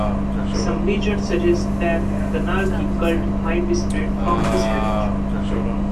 Some legends suggest that Kannaki Cult might be spread from this village.